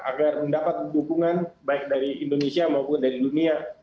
agar mendapat dukungan baik dari indonesia maupun dari dunia